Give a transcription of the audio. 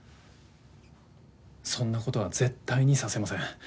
そんなことは絶対にさせません。